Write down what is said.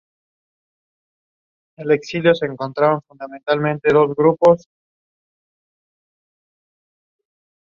Outside of the nesting season they often feed in flocks.